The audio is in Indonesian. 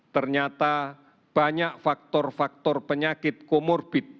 ternyata banyak faktor faktor penyakit komorbit